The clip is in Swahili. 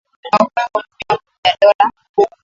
unaofanywa kwa kutumia nguvu ya Dola